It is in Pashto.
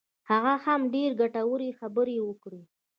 هغه هم ډېرې ګټورې خبرې وکړې.